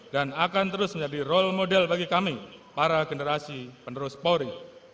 dan akan terus menjadi role model bagi kami para generasi penerus polri